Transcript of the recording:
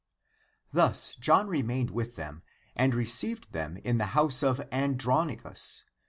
Thus John remained with them, and re ceived them in the house of Andronicus.